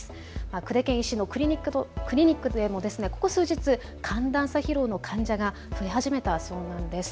久手堅医師のクリニックでもここ数日、寒暖差疲労の患者が増え始めたそうなんです。